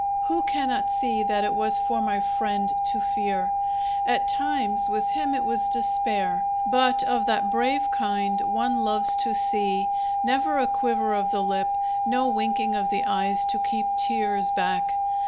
Who cannot see that it was for my friend to fear? At times, with him, it was despair, but of that brave kind one loves to see never a quiver of the lip, no winking of the eyes to keep tears back.